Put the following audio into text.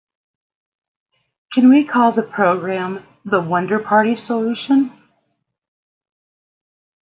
Can we call the program "the Wonder Party Solution"?